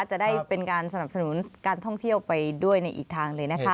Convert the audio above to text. จะได้เป็นการสนับสนุนการท่องเที่ยวไปด้วยในอีกทางเลยนะคะ